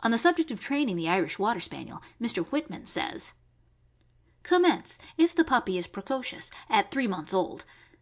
On the subject of training the Irish Water Spaniel, Mr. Whitman says: Commence — if the puppy is precocious— at three months ,old.